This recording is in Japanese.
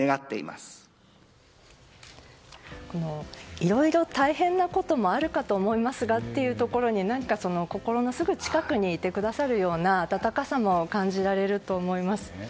いろいろ大変なこともあるかと思いますがっていうところに心のすぐ近くにいてくださるような温かさも感じられると思います。